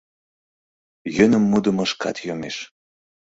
Йӧным мудымо шкат йомеш.